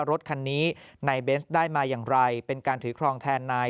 รถคันนี้นายเบนส์ได้มาอย่างไรเป็นการถือครองแทนนาย